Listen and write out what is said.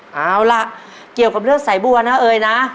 เอาล่ะเกี่ยวกับเรื่องสายบัวนะเอ๋ยนะ